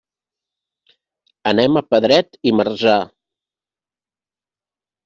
Anem a Pedret i Marzà.